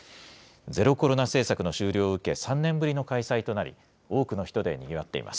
ゼロコロナ政策の終了を受け、３年ぶりの開催となり、多くの人でにぎわっています。